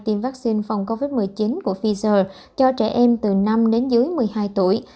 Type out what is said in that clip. tiêm vaccine phòng covid một mươi chín của pfizer cho trẻ em từ năm đến dưới một mươi hai tuổi